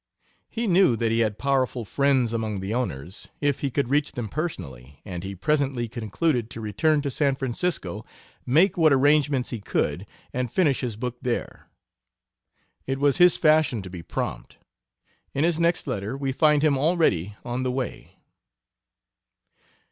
He knew that he had powerful friends among the owners, if he could reach them personally, and he presently concluded to return to San Francisco, make what arrangement he could, and finish his book there. It was his fashion to be prompt; in his next letter we find him already on the way.